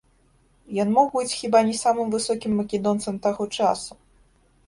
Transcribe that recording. Ён мог быць хіба не самым высокім македонцам таго часу.